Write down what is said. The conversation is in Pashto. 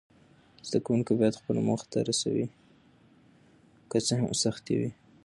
زده کوونکي باید خپلو موخو ته رسوي، که څه هم سختۍ وي.